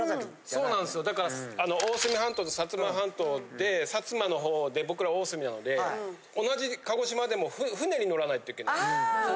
そうなんですよ、だから大隅半島と薩摩半島で、薩摩のほうで、僕ら大隅なので、同じ鹿児島でも船に乗らないといけないんです。